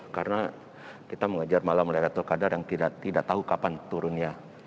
karena kita mengajar malam laylatul qadar yang tidak tahu kapan turunnya